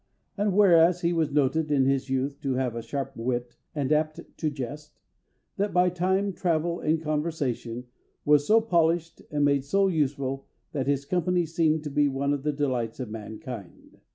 And whereas he was noted in his Youth to have a sharp Wit, and apt to jest; that, by Time, Travel, and Conversation, was so polished, and made so useful, that his company seemed to be one of the delights of mankind."